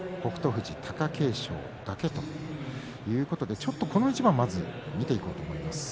富士貴景勝だけということでこの一番を見ていこうと思います。